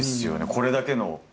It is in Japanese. これだけの。